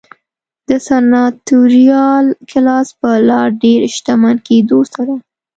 د سناتوریال کلاس په لا ډېر شتمن کېدو سره.